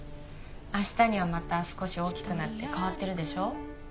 明日にはまた少し大きくなって変わってるでしょう？